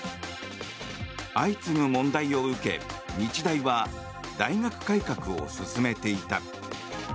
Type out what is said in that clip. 相次ぐ問題を受け、日大は大学改革を進めていた。